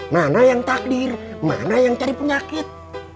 mana yang takdir mana yang cari penyakit